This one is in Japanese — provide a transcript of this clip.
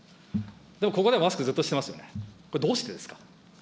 でもここではマスクずっとしてますよね、これ、どうしてですか。